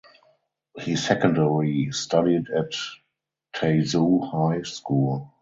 He secondary studied at Taizhou High School.